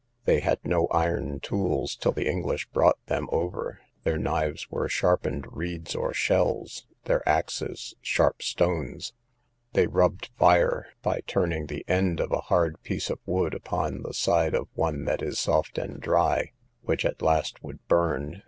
They had no iron tools till the English brought them over: their knives were sharpened reeds or shells, their axes sharp stones. They rubbed fire, by turning the end of a hard piece of wood upon the side of one that is soft and dry, which at last would burn.